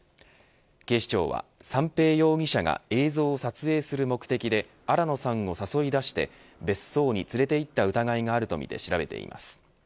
警視庁は三瓶容疑者が映像を撮影する目的で新野さんを誘い出して別荘に連れて行った疑いがあるとみて調べています。